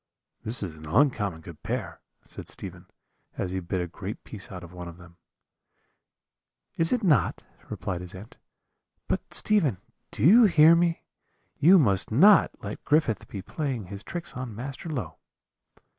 "'This is an uncommon good pear,' said Stephen, as he bit a great piece out of one of them. "'Is it not?' replied his aunt; 'but, Stephen, do you hear me? you must not let Griffith be playing his tricks on Master Low.'